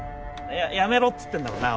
ややめろっつってんだな